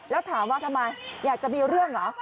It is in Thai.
แล้วถามว่าทำไมอยากจะมีเรื่องเหรอ